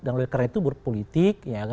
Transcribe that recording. dan oleh karena itu berpolitik